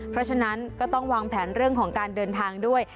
เพราะฉะนั้นก็ต้องวางแผนเรื่องของการเดินทางด้วย